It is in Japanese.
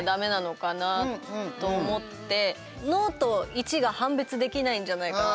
「の」と「１」が判別できないんじゃないかなって。